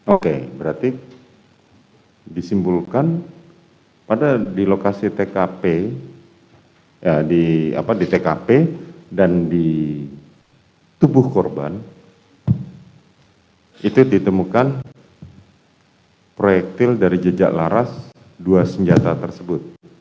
oke berarti disimpulkan pada di lokasi tkp di tkp dan di tubuh korban itu ditemukan proyektil dari jejak laras dua senjata tersebut